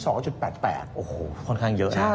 โอ้โหค่อนข้างเยอะ